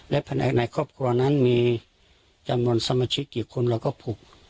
และภายในครอบครัวนั้นมีจำนวนสมาชิกกี่คนเราก็ผูก